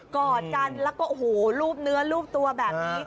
กอดกันแล้วก็โอ้โหรูปเนื้อรูปตัวแบบนี้